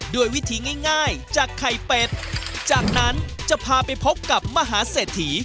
ด้วยวิธีง่ายจากไข่เป็ดจากนั้นจะพาไปพบกับมหาเศรษฐี